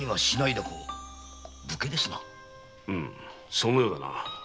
そのようだな。